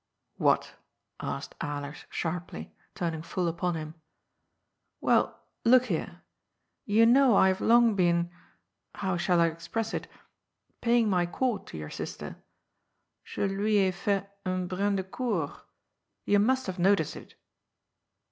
" What? " asked Alers sharply, turning full upon him. " Well, look here. You know I have long been — how shall I express it ?— paying my court to your sister. Je lui ai fait un brin de cour. You must have noticed it."